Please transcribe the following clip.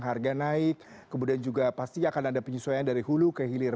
harga naik kemudian juga pasti akan ada penyesuaian dari hulu ke hilir